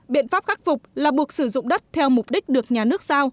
biện pháp khắc phục là buộc sử dụng đất theo mục đích được nhà nước sao